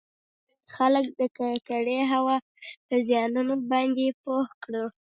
خلــک د ککـړې هـوا پـه زيـانونو بانـدې پـوه کـړو٫